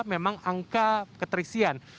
memang angka keterisian